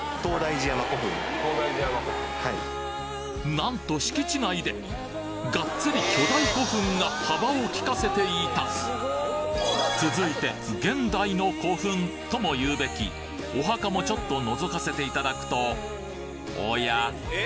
なんと敷地内でがっつり巨大古墳が幅をきかせていた続いて現代の古墳とも言うべきお墓もちょっと覗かせていただくとおや？